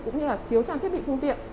cũng như là thiếu trang thiết bị phương tiện